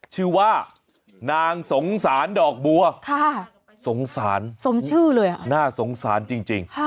ชื่อว่านางสงสารดอกบัวสงสารสมชื่อเลยอ่ะน่าสงสารจริง